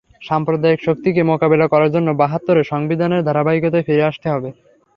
সাম্প্রদায়িক শক্তিকে মোকাবিলা করার জন্য বাহাত্তরের সংবিধানের ধারাবাহিকতায় ফিরে আসতে হবে।